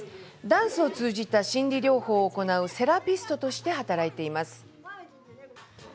ダンスを通じた心理療法を行うセラピストとして働いています。